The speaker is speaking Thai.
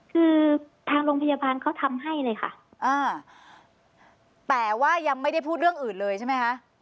คือทางโรงพยาบาลเขาทำให้เลยค่ะอ่าแต่ว่ายังไม่ได้พูดเรื่องอื่นเลยใช่ไหมคะ